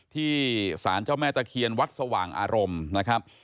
ที่สารเจ้าแม่ตะเคียนวัดสว่างอารมณ์นะครับ